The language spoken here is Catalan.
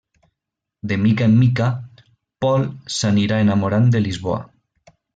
De mica en mica, Paul s'anirà enamorant de Lisboa.